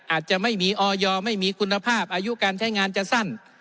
อาจจะไม่มีออยไม่มีคุณภาพอายุการใช้งานจะสั้น